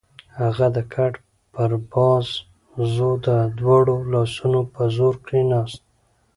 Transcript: هغه د کټ پر بازو د دواړو لاسونو په زور کېناست.